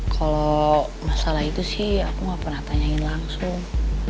kalo masalah itu sih aku gak pernah tanyain langsung